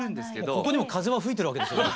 ここにも風は吹いてるわけですね。